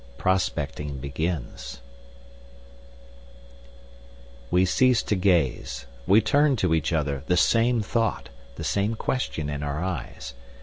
Prospecting Begins We ceased to gaze. We turned to each other, the same thought, the same question in our eyes.